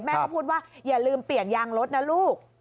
แม่ก็พูดว่าอย่าลืมเปลี่ยนยางรถนะลูก